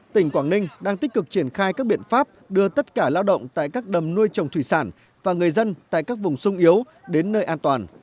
tỉnh quảng ninh đang tích cực triển khai các biện pháp đưa tất cả lao động tại các đầm nuôi trồng thủy sản và người dân tại các vùng sung yếu đến nơi an toàn